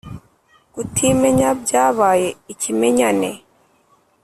kutimenya byabaye ikimenyane